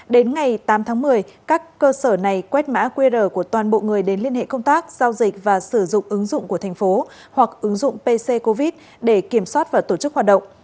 đến ngày tám tháng một mươi các cơ sở này quét mã qr của toàn bộ người đến liên hệ công tác giao dịch và sử dụng ứng dụng của thành phố hoặc ứng dụng pc covid để kiểm soát và tổ chức hoạt động